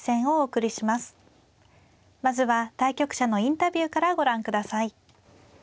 まずは対局者のインタビューからご覧ください。